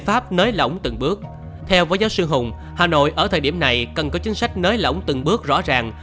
theo phó giáo sư hùng hà nội ở thời điểm này cần có chính sách nới lỏng từng bước rõ ràng